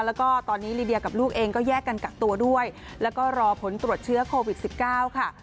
แล้วก็ตอนนี้ลีเดียกับลูกเองก็แยกกันกักตัวด้วยแล้วก็รอผลตรวจเชื้อโควิด๑๙ค่ะ